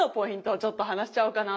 ちょっと話しちゃおうかなと。